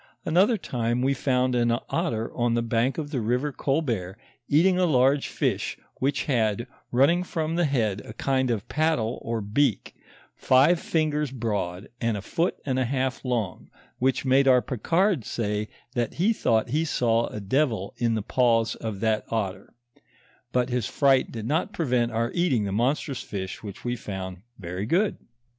Another time we found an otter on the bank of the river Colbert eating a large fish, which had, running from the head, a kind of paddle or beak, five fingers broad and a foot and a half long, which made our Picard say, that he thought he saw a devil in the paws of that otter : but his fright did not prevent our eating the mon strous fish which we found very good.